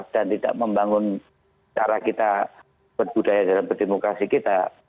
dan tidak membangun cara kita berbudaya dan berdemokrasi kita